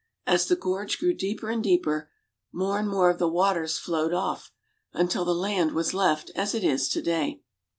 As the gorge grew deeper and deeper, more and more of the waters flowed off until the land was left as it is to day.